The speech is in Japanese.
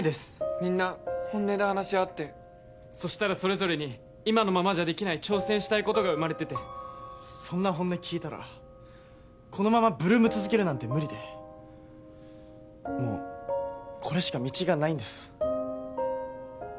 みんな本音で話し合ってそしたらそれぞれに今のままじゃできない挑戦したいことが生まれててそんな本音聞いたらこのまま８ＬＯＯＭ続けるなんて無理でもうこれしか道がないんです